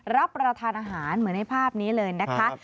รับประทานอาหารเหมือนในภาพนี้เลยนะคะ